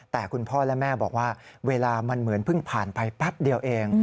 แต่คุณพ่อและแม่บอกว่าเวลามันเหมือนเพิ่งผ่านไปแป๊บเดียวเอง